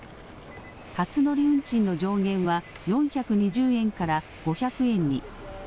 初乗り運賃の上限は４２０円から５００円に。